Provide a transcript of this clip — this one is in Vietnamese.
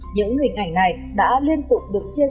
những hình ảnh này đã liên tục được truyền